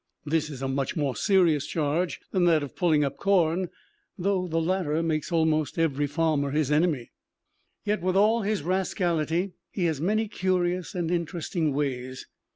This is a much more serious charge than that of pulling up corn, though the latter makes almost every farmer his enemy. Yet with all his rascality he has many curious and interesting ways.